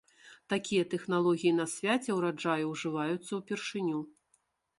Такія тэхналогіі на свяце ўраджаю ўжываюцца ўпершыню.